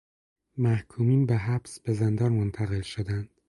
محکومین به حبس، به زندان منتقل شدند